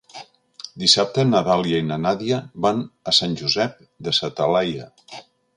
Dissabte na Dàlia i na Nàdia van a Sant Josep de sa Talaia.